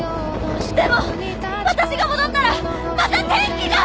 でも私が戻ったらまた天気が！